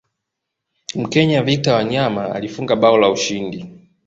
mkenya victor wanyama alifunga bao la ushindi